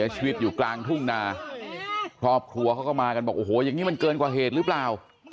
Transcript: ชีวิตอยู่กลางทุ่งนาครอบครัวเขาก็มากันบอกโอ้โหอย่างนี้มันเกินกว่าเหตุหรือเปล่า